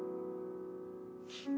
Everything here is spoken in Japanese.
フッ。